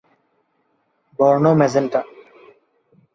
বর্ণ ম্যাজেন্টা।